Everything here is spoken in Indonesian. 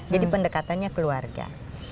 jadi pendekatannya keluarga